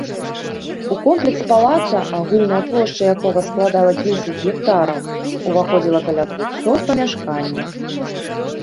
У комплекс палаца, агульная плошча якога складала дзесяць гектараў, уваходзіла каля двухсот памяшканняў.